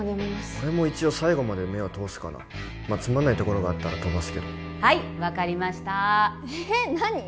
俺も一応最後まで目は通すかなまあつまんないところがあったら飛ばすけどはい分かりましたえー何？